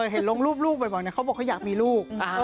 เห็นลงรูปลูกบ่อยเขาบอกเขาอยากมีลูก